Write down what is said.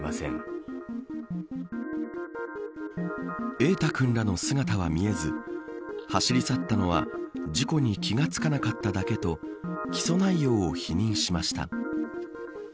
瑛大君らの姿は見えず走り去ったのは事故に気が付かなかっただけと起訴内容を否認しました。